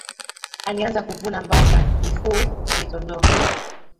Alianza kuvuna mbao za mifuu na mitondoo